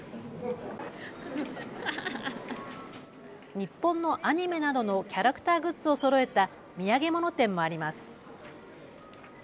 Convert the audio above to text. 日本のアニメなどのキャラクターグッズをそろえた土産物店もあります。